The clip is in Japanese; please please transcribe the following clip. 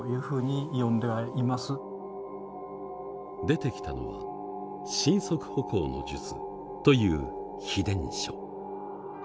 出てきたのは「神足歩行の術」という秘伝書。